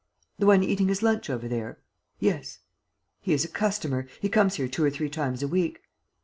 "The one eating his lunch over there?" "Yes." "He is a customer. He comes here two or three times a week."